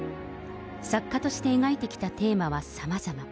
作家として描いてきたテーマはさまざま。